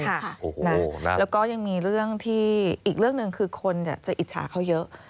แล้วก็ยังมีเรื่องที่อีกเรื่องหนึ่งคือคนจะอิจฉาเขาเยอะ